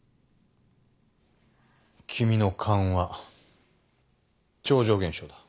君の勘は超常現象だ。